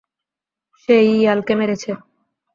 সে-ই ইয়ালকে মেরেছে।